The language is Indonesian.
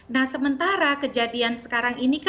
nah sementara kejadian sekarang ini